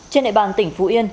trên địa bàn tỉnh phú yên